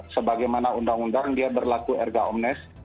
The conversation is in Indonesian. sebagaimana undang undang dia berlaku erga omnes